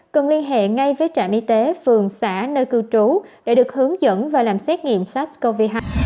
cần liên hệ ngay với trạm y tế phường xã nơi cư trú để được hướng dẫn và làm xét nghiệm sars cov hai